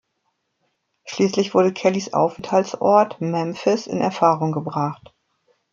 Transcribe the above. Schließlich wurde Kellys Aufenthaltsort, Memphis, in Erfahrung gebracht.